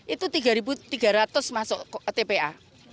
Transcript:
itu tiga ribu tiga ratus masuk ke tpa